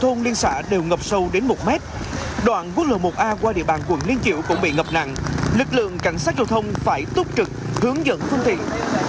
một thôn liên xã đều ngập sâu đến một mét đoạn quốc lộ một a qua địa bàn quận liên triệu cũng bị ngập nặng lực lượng cảnh sát giao thông phải túc trực hướng dẫn phương tiện